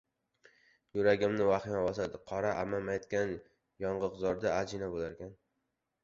Yuragimni vahima bosadi: «Qora ammam» aytgan: yong‘oqzorda ajina bo‘larkan.